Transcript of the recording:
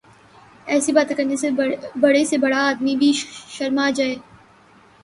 ایسی باتیں کرنے سے بڑے سے بڑا آدمی بھی شرما جائے۔